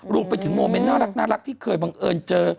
รวมไปถึงโมเมนต์น่ารักที่เคยบังเอิญเจอ